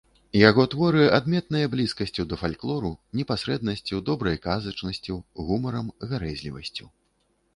Яго творы адметныя блізкасцю да фальклору, непасрэднасцю, добрай казачнасцю, гумарам, гарэзлівасцю.